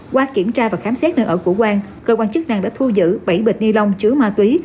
qua kiểm tra và khám xét nơi ở của quang cơ quan chức năng đã thu giữ bảy bịch ni lông chứa ma túy